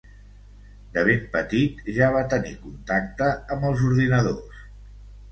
De ben petit ja va tenir contacte amb els ordinadors.